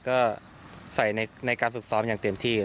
ก็ใส่ในการฝึกซ้อมอย่างเต็มที่